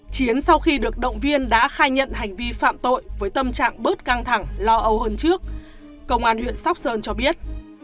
chiến sau khi được động viên đã khai nhận hành vi phạm tội với tâm trạng bớt căng thẳng lo âu hơn trước công an huyện sóc sơn cho biết